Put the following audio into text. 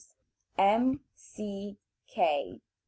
M. C. K.